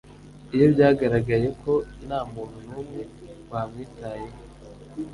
iyo byagaragaye ko ntamuntu numwe wamwitayeho